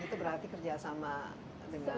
dan itu berarti kerjasama dengan